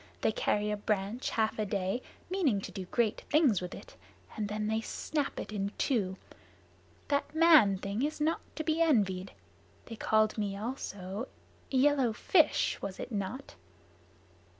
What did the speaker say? They carry a branch half a day, meaning to do great things with it, and then they snap it in two. That man thing is not to be envied. They called me also `yellow fish' was it not?"